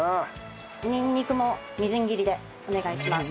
にんにくもみじん切りでお願いします。